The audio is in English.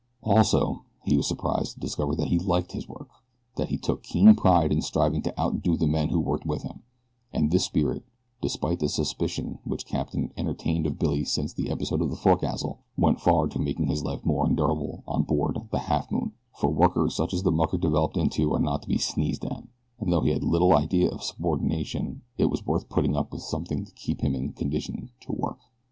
Also, he was surprised to discover that he liked to work, that he took keen pride in striving to outdo the men who worked with him, and this spirit, despite the suspicion which the captain entertained of Billy since the episode of the forecastle, went far to making his life more endurable on board the Halfmoon, for workers such as the mucker developed into are not to be sneezed at, and though he had little idea of subordination it was worth putting up with something to keep him in condition to work.